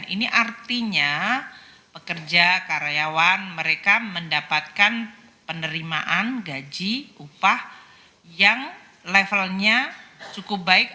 ini artinya pekerja karyawan mereka mendapatkan penerimaan gaji upah yang levelnya cukup baik